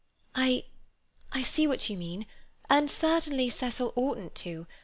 "I—I see what you mean, and certainly Cecil oughtn't to.